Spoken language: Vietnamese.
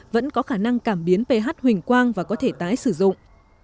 vẫn có khả năng cảm biến ph huỳnh quang và có thể tái sử dụng